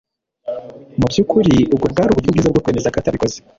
Mubyukuri, ubwo bwari uburyo bwiza bwo kwemeza ko atabikoze